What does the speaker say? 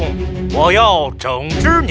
aku ingin membuat seorang anjing